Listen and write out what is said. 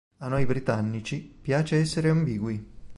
A noi britannici piace essere ambigui”.